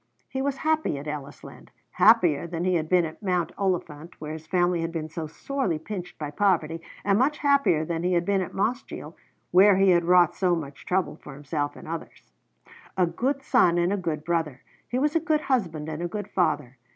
He was happy at Ellisland, happier than he had been at Mount Oliphant, where his family had been so sorely pinched by poverty, and much happier than he had been at Mossgiel, where he had wrought so much trouble for himself and others. A good son and a good brother, he was a good husband and a good father.